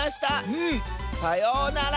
うん！さようなら！